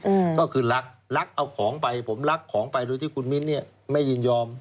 อืมก็คือรักรักเอาของไปผมรักของไปโดยที่คุณมิ้นเนี้ยไม่ยินยอม